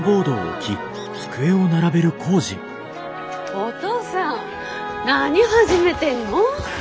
おとうさん何始めてんの？